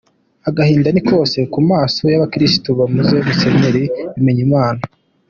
Agahinda ni kose ku maso y’abakirisitu babuze Musenyeri Bimenyimana.